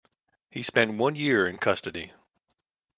He spent one year in custody.